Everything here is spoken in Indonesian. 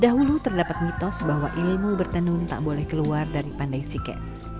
dahulu terdapat mitos bahwa ilmu bertenun tak boleh keluar dari pandai sike